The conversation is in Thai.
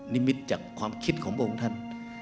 นิมิตจากความคิดของพระองค์ท่าน